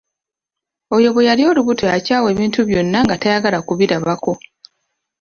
Oyo bwe yali olubuto yakyawa ebintu byonna nga tayagala kubirabako.